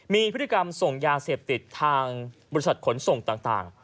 มีพฤติกรรมส่งยาเสพติดทางบริษัทขนส่งต่าง